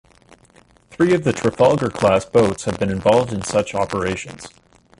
Three of the "Trafalgar"-class boats have been involved in such operations.